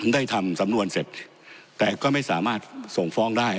ได้ทำสำนวนเสร็จแต่ก็ไม่สามารถส่งฟ้องได้